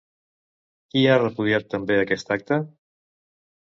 Qui ha repudiat també aquest acte?